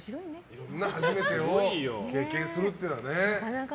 いろんな初めてを経験するっていうのはね。